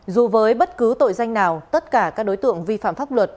dù với bất cứ tội danh nào tất cả các đối tượng vi phạm pháp luật